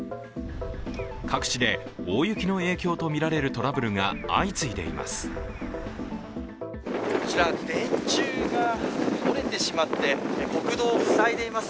各地で大雪の影響とみられるトラブルが相次いでいます。